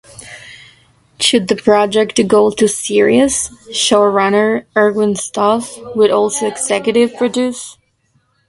Should the project go to series, showrunner Erwin Stoff would also executive produce.